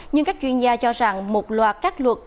nhưng các chuyên gia cho rằng một loạt các luật